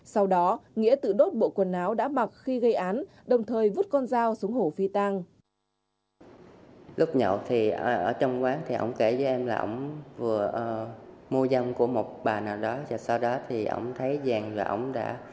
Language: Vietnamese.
sau đó nghĩa tự đốt bộ quần áo đã mặc khi gây án đồng thời vứt con dao xuống hổ phi tang